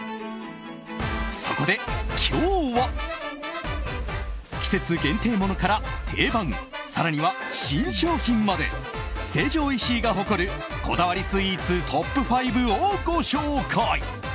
そこで今日は季節限定ものから定番更には新商品まで成城石井が誇るこだわりスイーツトップ５をご紹介。